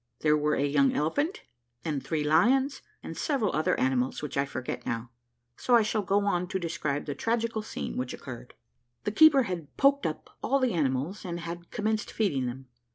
There were a young elephant and three lions, and several other animals which I forget now, so I shall go on to describe the tragical scene which occurred. The keeper had poked up all the animals, and had commenced feeding them.